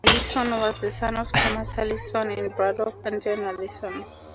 Allinson was the son of Thomas Allinson and brother of Adrian Allinson.